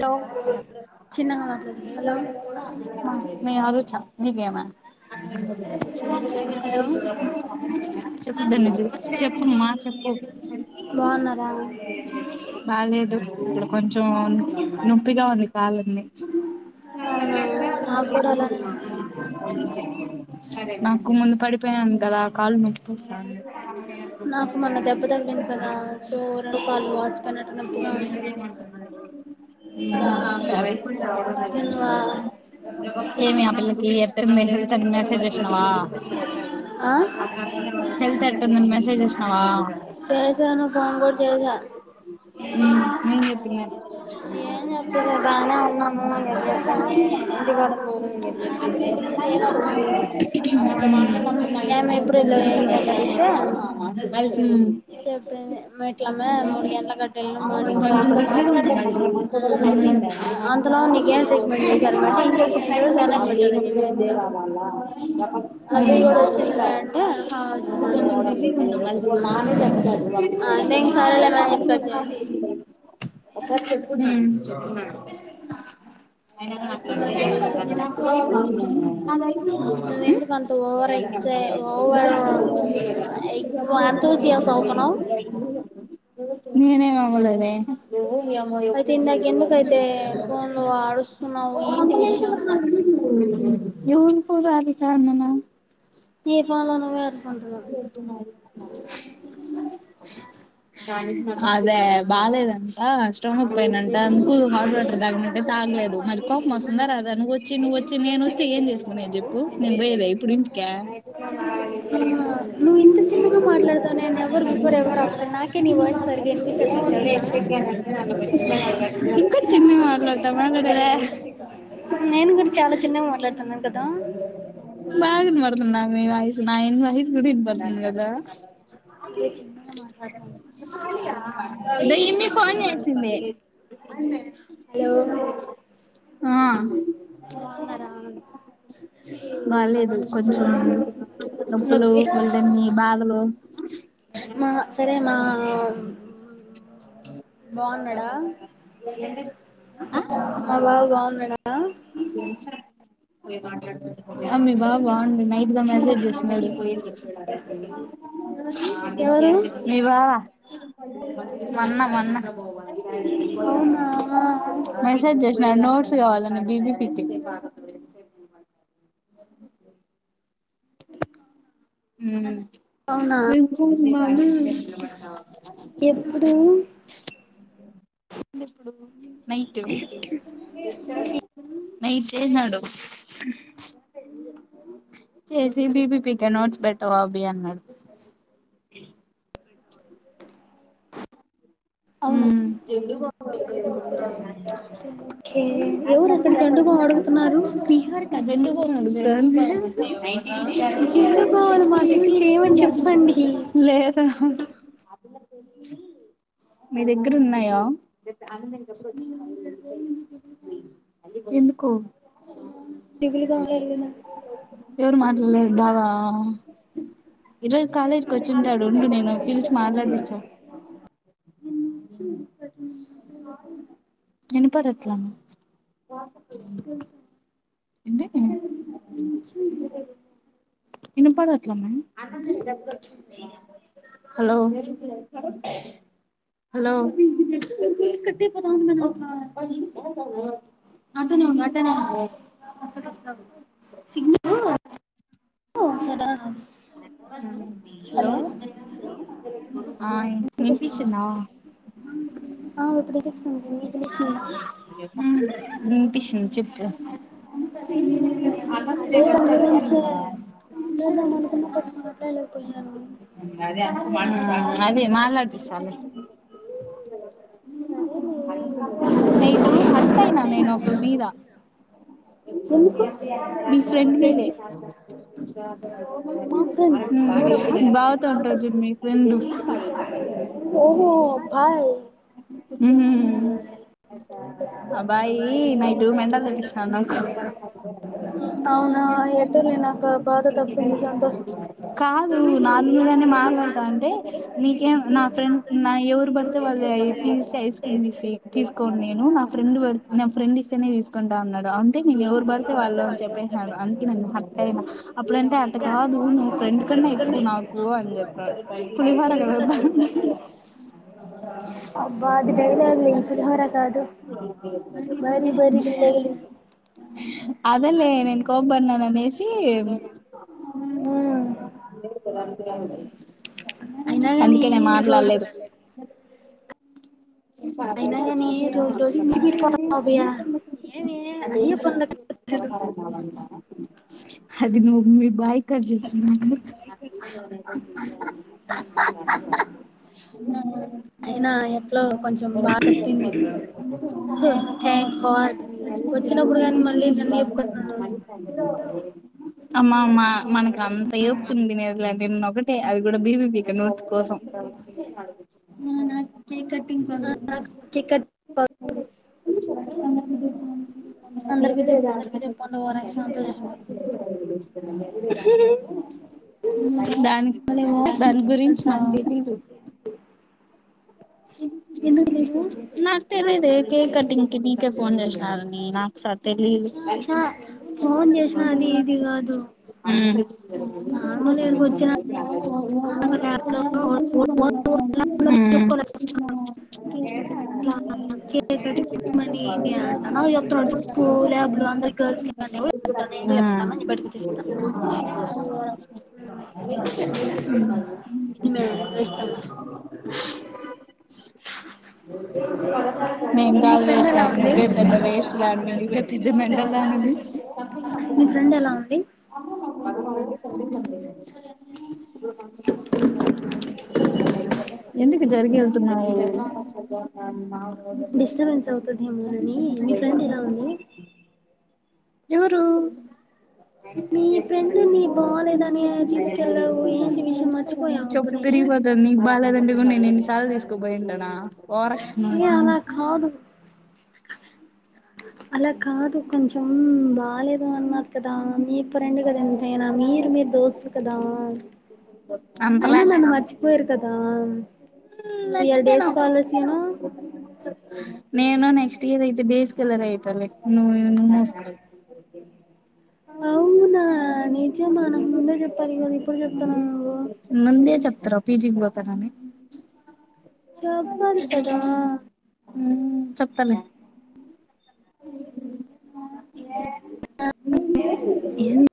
చో మా మీ ఆరుచ నీ కేమే చెప్పు ధనుజే చెప్పు మాక్ చెప్పు బాలేదు ఇపుడు కొంచమ్ ఉన్ నొప్పిగా ఉంది కాల్ లన్ని సరే నాక్ ముంద్ పడిపోయన్ గదా కాల్ నొపొసయ్ ఇంగ ఎని డేమ్ అంటూనరు తినవా ఆ చేసాను ఫోన్ గుడ్ చేసా ఉమ్ నేన్ జెపిన్ నెమో ఉమ్ కొంచమ్ కొంచమ్ ఉమ్ కొంచమ్ బిసి మంచ్ గునమే చెప్ తాడు ఉపమ్ వాసి ఒకసారి చెప్పు మె చెప్ మె అయినగాని అట్లానె అవునవును నేనేమ్ అవ్వలేదే నువ్వు మీ అమ్మ ఏప్ ర్ లేదు ఎవ్ ర్ ఫోన్ లో ఆపేచ అన్ననా తీపాలన నువ్వే అనుకుంటున్నావ్ అదా బాలేదంటా ట పోయినంట అంకుల్ హాట్ వాటర్ తాగమంటే తాగలేదు. మరి కోప్మోస్తుందా రాద నువొచ్చి నువొచ్చి నేను నొస్తే ఏం చేస్కునేది చెప్పు నేను పోయేదా ఇప్పుడు ఇంటికా ఏం ఒద్దులే ఇంక చిన్నగ మాట్లాడ్త మాట్లాడేదా నేను గుడ చాలా చిన్నగ బాగున్ వినపడుతుందా మి వాయిస్ నైన్ వాయిస్ గుడ ఇన్ న్ గదా సరే చిన్నగ మాట్లాడ్తాను ద ఈమ్మీ ఫోన్ చేసింది హలో ఆ బాలేేదు కొంచం ముందుకు నొప్పులు ఒళ్లన్నీ బాధలు మ సరే మా బాన్నడా మా బాబు బా ఉన్నడా పోయి మాట్లాడ్ అ మి బాబు బాగుండు నైట్ గా మెసేజ్ చేస్తున్నడు పోయేసి వచ్చినడు మి బావ మన్న మన్న ఆహ మెసేజ్ చేష్ణ నోట్స్ కావాలని బీ బీ పీ టి మ్ ఔన మింకు [unintelligible] ఇప్పుడు నైట్ నైట్ చేసినాడు చేసి బిబీపీక నోట్స్ బెట్టవ బి అన్నాడు ఊ బీహార్ కజెండ లో లేదహా ఆపిల్ల పెళ్లి మి దెగ్గరున్నయా ఎందుకొ ఎవరు మాట్లాలే దా ఇరోజు కాలేజ్ కొచ్చింటాడు. నేను పిలిచి మాట్లాడిచ్చా ఇనపడట్లా ఎంది ఎన్ ఇనపడట్ల అమ్మాయ్ హలొ హలో అట్టను అట్టనె ఉండు సిగ్నలు ఉ సడస్ హలో ఆ ఇన్ ఇన్పిస్తుందా అ ఉమ్ ఇన్పిస్తుంద్ చెప్పు అల [unintelligible] మామ్ మాట్లాడదాం అనుకున్న బట్ మాట్లాడలే అదే అదే మాట్లాడిపిస్తలే ఆగు నైటూ హట్ అయినా నేను ఒకరి మీద మీ ఫ్రెండ్ మీదేనా [unintelligible] బావతో ఉంటడు చూడు మీ ఫ్రెండు ఉహుమ్మ్ అబ్బయి నైటు మెంటలు తెప్పించినాడు నాకు అ ఎటులే నాకు బాధ తప్పింది సంతోషం కాదు నార్మల్ గానే మాట్లాడతాంటే నీకేం నా ఫ్రెండ్ నా ఎవురు పడితే వాళ్ళ తీ సి ఐస్ క్రీమ్ తీసి తీసుకోన్ నేను నా ఫ్రెండ్డు నా ఫ్రెండ్ ఇస్తేనే తీసుకుంటా అన్నడు అంటే నువు ఎవరు పడితే వాళ్ళు అని చెప్పేసినాడు అందుకే నేను హట్ అయినా అప్పుడంటే అట్ట కాదు నువ్వు ఫ్రెండ్ కన్నా ఎక్కువ నాకు అని చెప్పారు పులిహోర కలుపుతాండు అబ్బా అది డైలాగ్లు లే పులిహోర కాదు అదెలె నేన్ కొబ్బడిన ననేేసి ఉమ్ అయినా గని రోజు పాపం కదా అది నువ్ మి బాయ్ కడ్జెప్పినాక అయినా ఎట్లో కొంచెం బాతప్పింది [unintelligible] అమ్మమ్మ మనకు అంత ఏపుకుందిమే అంటి నిన్న ఒకటే అది కూడా బీబీపీక నోట్స్ కోసం నా కేక్ కటింగ్ కొ [unintelligible] [unintelligible] ఎడిడ దానికి దాని గురించి నాకు తెలీదు నాకు తెలియదే కేక్ కటింగ్ కి నీకే ఫోన్ చేసినారని నాకు స తెలిదు ఉమ్ ఉమ్ ఇట్లా కె మనీ ఏంది అంట నాక్ చెప్తున్నాడు చెప్పు ల్యాబ్లు అందరు గర్ల్స్ [inaudible] చెప్తా ఉహ్మ్ మేంగాదు వేస్ట్ దాన్ని నువ్వే పెద్ద వేస్ట్ దనివి నువ్వే పెద్ద మెంటల్ దానివి ఎందుకె జరిగేల్ ఎవరు చెప్తే తరిగిపోతది నీకు బాలేదంటె కూడ నేను ఎన్ని సార్లు తీసుకు పాయింటన ఓవరక్షణ అలా కాదు కొంచెం బాలేదు అన్నారు కదా మీ ఫ్రెండు కద ఎంతయినా మీరు మీరు దోస్తులు కదా అయినా నన్ను మర్చిపోయిరు కదా we are day scholars you know నేను నెక్స్ట్ ఇయర్ అయితే బేస్కలర అయితా నువ్ యూనిముస్క్ అవునా నిజంమా నాకు ముందే జెప్పాలి కదా ఇప్పుడు జెప్తున్నావ్ నువ్వు ముందే చెప్తర పి జి కి పోతానని చెప్పాలి కదా ఉమ్ చెప్తలే [inaudible]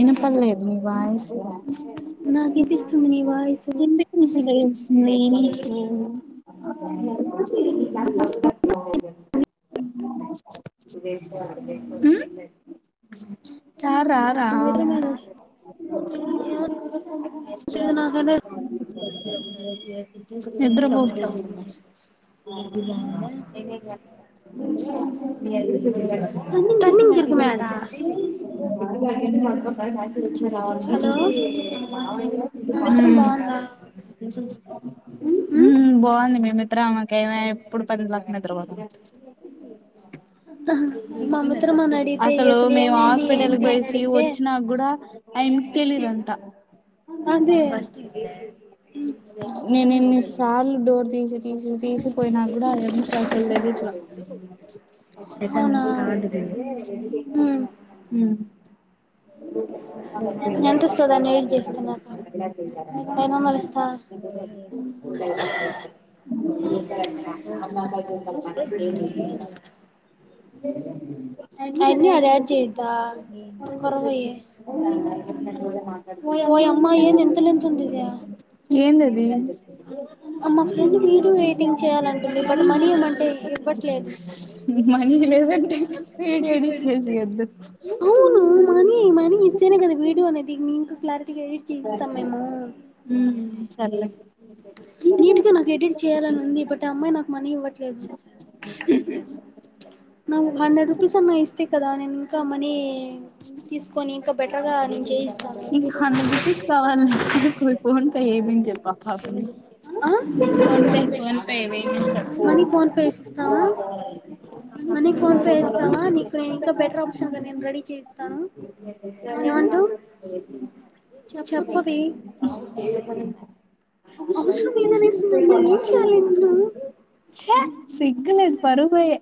ఇనపడ్లేదు మీ వాయిసు చున్నీ నీ వాయిస్ కొన్ని కొన్ని వేయాల్సిందే నీకు హు్ సార్ రారా ఏమో నిద్రపోతు [unintelligible] [inaudible] [inaudible] ఉమ్ బాగుంది మీ ఇద్దరం మీ మీమ్మే ఎప్పుడు పందుల నిద్రపోతాం అసలు మేము హాస్పిటల్కి బోయేసి వచ్చినాక గూడా ఆమెకి తెలిదంట నేన్ ఎన్ని సార్లు డోర్ తీసి తీసి తీసిపోయినా గూడా ఆమెకి అసలు తెలియట్లా ఉమ్ [inaudible] అని అర్జెంటా కొరవయ్యే ఏందది మ్ నీవి లేదంటే వీడియో ఎడిట్ చేసేయి ఒద్దు వీడియో అనేది ఇ ఇంకా క్లారిటీ గా ఎడిట్ చేసిస్తాం మేము నీట్గా నాకు ఎడిట్ చేయాలని ఉంది బట్ ఆ అమ్మాయి నాకు మనీ ఇవ్వట్లేదు న్ హాన్ హండ్రెడ్ రుపీస్ అన్నా ఇస్తే కదా నేను ఇంకా మనీ తీసుకొని ఇంకా బెటర్ గా నేన్ చేయిస్తాను హండ్రెడ్ రుపీస్ కావాలి నీకు ఫన్ పే ఏయిమన్ జెప్పు ఆ పాపాని ఫోన్పే ఫోన్పే వేయమని చెప్పు మనీ ఫోన్ పే ఎస్తావా నీకు నేను ఇంకా బెటర్ ఆప్షన్గా నేను రెడీ చేయిస్తాను చెప్పవే [inaudible] చ్చ సిగ్గలేదు పరువు పోయే